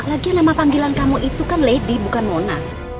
lagian nama panggilan kamu itu kan lady bukan mona